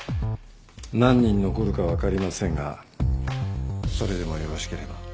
何人残るか分かりませんがそれでもよろしければ。